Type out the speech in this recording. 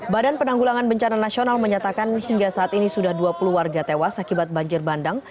badan penanggulangan bencana nasional menyatakan hingga saat ini sudah dua puluh warga tewas akibat banjir bandang